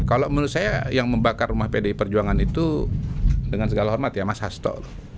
kalau menurut saya yang membakar rumah pdi perjuangan itu dengan segala hormat ya mas hasto